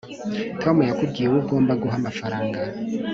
tom yakubwiye uwo ugomba guha amafaranga